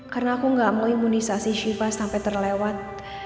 karena aku gak mau imunisasi syifa sampai terlewat